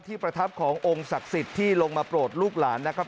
ประทับขององค์ศักดิ์สิทธิ์ที่ลงมาโปรดลูกหลานนะครับ